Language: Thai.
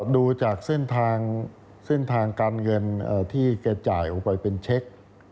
ดูจากเส้นทางเส้นทางการเงินที่แกจ่ายออกไปเป็นเช็ค